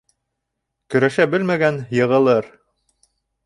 Көрәшә белмәгән йығылыр.